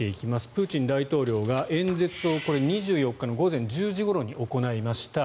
プーチン大統領が演説を２４日の午前１０時ごろに行いました。